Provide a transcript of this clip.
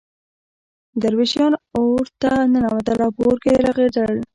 درویشان اورته ننوتل او په اور کې رغړېدل.